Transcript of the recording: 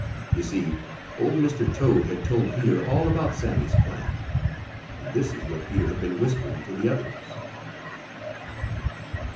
You see, old Mr. Toad had told Peter all about Sammy's plan, and this is what Peter had been whispering to the others.